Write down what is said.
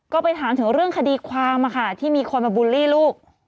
ก็ไปถามถึงเรื่องคดีความที่มีคนมาบูลลี่ลูก